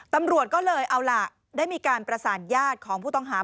ตำรวจก็เลยเอาล่ะได้มีการประสานญาติของผู้ต้องหา